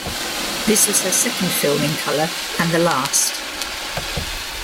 This was her second film in color, and the last.